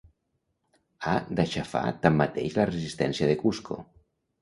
Ha d'aixafar tanmateix la resistència de Cusco.